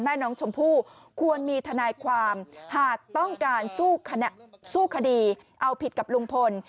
แม่น้องชมพู่ควรมีทนายความหากต้องการสู้คดีเอาผิดกับลุงพล